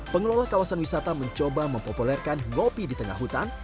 pengelola kawasan wisata mencoba mempopulerkan ngopi di tengah hutan